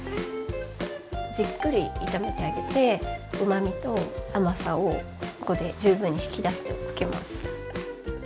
じっくり炒めてあげてうまみと甘さをここで十分に引き出しておきます。